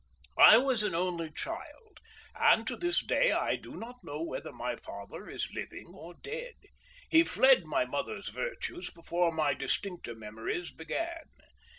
I was an only child, and to this day I do not know whether my father is living or dead. He fled my mother's virtues before my distincter memories began.